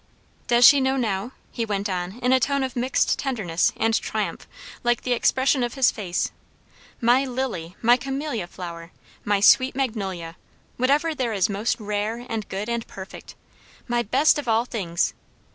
"Does she know now?" he went on in a tone of mixed tenderness and triumph, like the expression of his face. "My lily! my Camellia flower! my sweet Magnolia! whatever there is most rare, and good, and perfect. My best of all things.